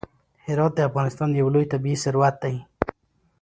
هرات د افغانستان یو لوی طبعي ثروت دی.